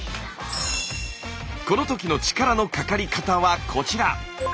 この時の力のかかり方はこちら。